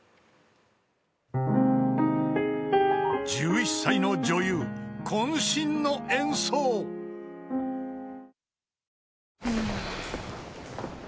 ［１１歳の女優渾身の演奏］ん。